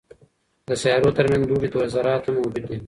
د سیارو ترمنځ دوړې ذرات هم موجود دي.